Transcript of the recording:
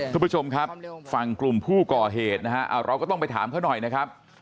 คุณผู้ชมครับฝั่งกลุ่มผู้ก่อเหตุนะฮะเราก็ต้องไปถามเขาหน่อยนะครับ